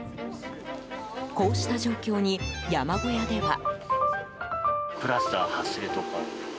こうした状況に、山小屋では。